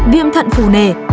viêm thận phù nề